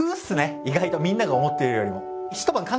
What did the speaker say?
意外とみんなが思ってるよりも。